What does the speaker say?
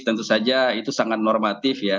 tentu saja itu sangat normatif ya